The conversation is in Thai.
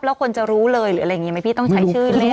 แล้วคนจะรู้เลยหรืออะไรอย่างนี้ไหมพี่ต้องใช้ชื่อเล่น